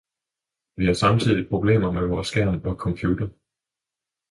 Vi har samtidig problemer med vores skærm og computer.